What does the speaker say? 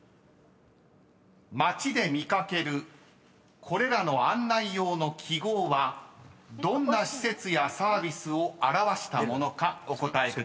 ［街で見掛けるこれらの案内用の記号はどんな施設やサービスを表したものかお答えください］